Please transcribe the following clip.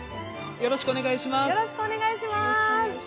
よろしくお願いします。